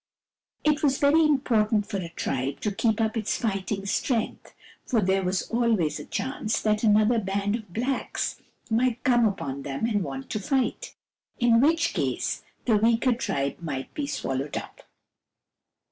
It was very important for a tribe to keep up its fighting strength, for there was always a chance that another band of blacks might come upon them and want to fight : in which case the weaker tribe might be swallowed up.